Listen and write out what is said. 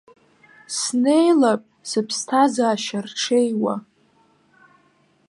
Снеилап сыԥсҭазаашьа рҽеиуа.